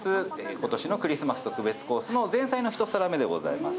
今年のクリスマス特別コースの前菜の一皿目でございます。